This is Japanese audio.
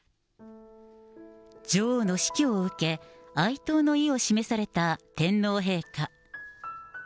女王の死去を受け、哀悼の意を示された天皇陛下。